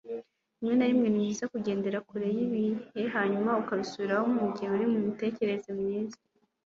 Rimwe na rimwe, nibyiza kugenda kure yibintu hanyuma ukabisubiramo nyuma mugihe uri mumitekerereze myiza.